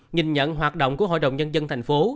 nhìn nhận hoạt động của hội đồng nhân dân thành phố